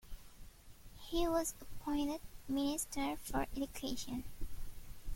He was appointed Minister for Education.